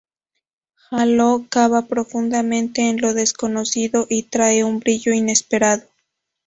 Halo cava profundamente en lo desconocido y trae un brillo inesperado".